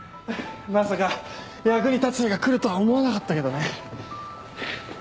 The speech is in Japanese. まさか役に立つ日が来るとは思わなかったけどね。